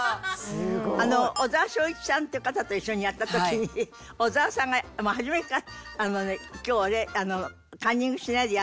小沢昭一さんっていう方と一緒にやった時に小沢さんがもう初めからあのね「今日俺カンニングしないでやろうと思う」って言うからね